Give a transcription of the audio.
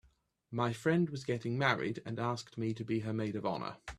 My friend was getting married and asked me to be her maid of honor.